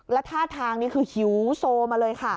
แล้วท่าทางนี้คือหิวโซมาเลยค่ะ